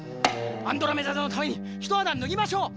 アンドロメダ座のためにひとはだぬぎましょう！